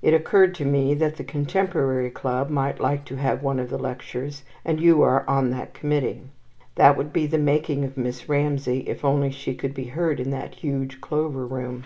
It occurred to me that the Contemporary Club might like to have one of the lectures, and you are on the committee. That would be the making of Miss Ramsay, if only she could be heard in that huge Clover Room.